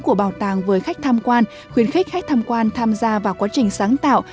của bảo tàng với khách tham quan khuyến khích khách tham quan tham gia vào quá trình sáng tạo